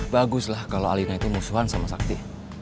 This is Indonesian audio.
bagus lah kalau alina itu musuhan sama sakti